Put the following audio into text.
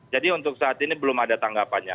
jadi untuk saat ini belum ada tanggapannya